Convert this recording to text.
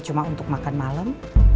cuma untuk makan malam